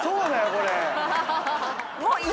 これ。